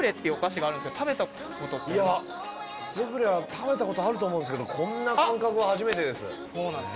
いやスフレは食べたことあると思うんですけどそうなんですよ